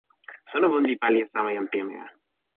suno mun li pali e sama jan pimeja